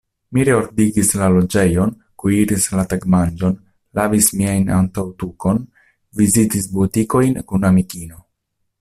Mi reordigis la loĝejon, kuiris la tagmanĝon, lavis mian antaŭtukon, vizitis butikojn kun amikino.